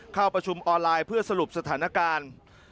เข้าประชุมออนไลน์เพื่อสรุปสถานการณ์